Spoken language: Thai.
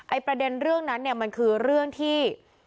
ประเด็นเรื่องนั้นเนี่ยมันคือเรื่องที่